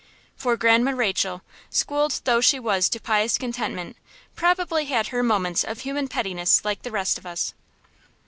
For Grandma Rachel, schooled though she was to pious contentment, probably had her moments of human pettiness like the rest of us.